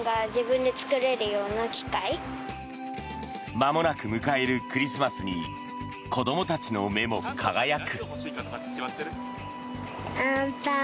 まもなく迎えるクリスマスに子どもたちの目も輝く。